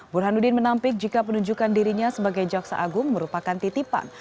burhanuddin menampik jika penunjukan dirinya sebagai jaksa agung merupakan titipan